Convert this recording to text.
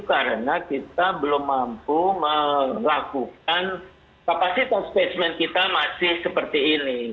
karena kita belum mampu melakukan kapasitas spesimen kita masih seperti ini